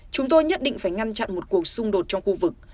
chúng tôi nhất định phải ngăn chặn một cuộc xung đột trong khu vực